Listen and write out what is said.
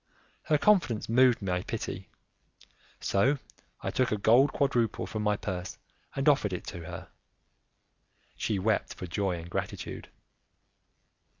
Her confidence moved my pity, so I took a gold quadruple from my purse and offered it to her; she wept for joy and gratitude.